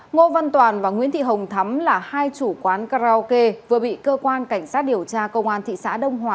ngô văn toàn và nguyễn thị hồng thắm là hai chủ quán karaoke vừa bị cơ quan cảnh sát điều tra công an thị xã đông hòa